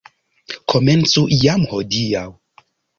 Komencu jam hodiaŭ!